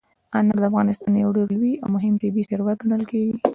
انار د افغانستان یو ډېر لوی او مهم طبعي ثروت ګڼل کېږي.